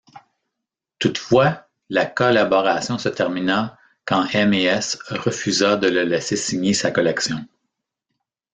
Toutefois la collaboration se termina quand M&S refusa de le laisser signer sa collection.